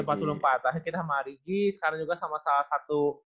akhirnya kita sama arigi sekarang juga sama salah satu